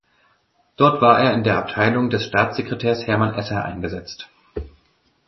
Dort war er in der Abteilung des Staatssekretärs Hermann Esser eingesetzt.